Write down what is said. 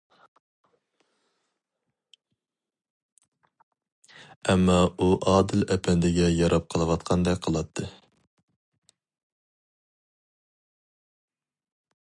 ئەمما ئۇ ئادىل ئەپەندىگە ياراپ قېلىۋاتقاندەك قىلاتتى.